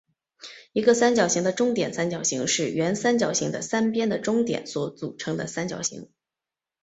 一个三角形的中点三角形是原三角形的三边的中点所组成的三角形。